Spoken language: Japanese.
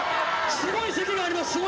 すごい席があります。